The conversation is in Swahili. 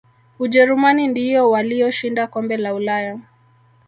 ujerumani ndiyo waliyoshinda kombe la ulaya